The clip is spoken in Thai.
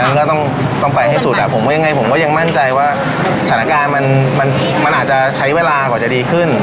มันก็ต้องไปให้สุดผมว่ายังไงผมก็ยังมั่นใจว่าสถานการณ์มันอาจจะใช้เวลากว่าจะดีขึ้น